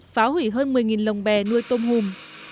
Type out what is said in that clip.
phá hủy hơn một mươi lồng bè nuôi tôm hùm